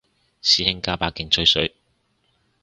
師兄加把勁吹水